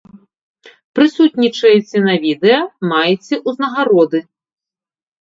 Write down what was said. Прысутнічаеце на відэа, маеце ўзнагароды.